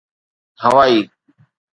هوائي